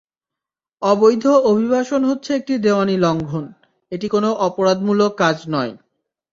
অবৈধ অভিবাসন হচ্ছে একটি দেওয়ানি লঙ্ঘন, এটি কোনো অপরাধমূলক কাজ নয়।